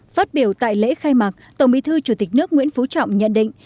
phát biểu tại lễ khai mạc tổng bí thư chủ tịch nước nguyễn phú trọng nhận định